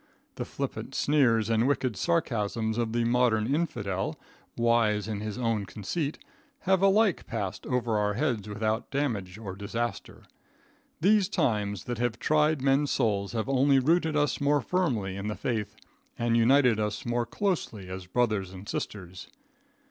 The flippant sneers and wicked sarcasms of the modern infidel, wise in his own conceit, have alike passed over our heads without damage or disaster. These times that have tried men's souls have only rooted us more firmly in the faith, and united us more closely as brothers and sisters.